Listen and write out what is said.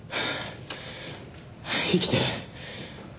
生きてる。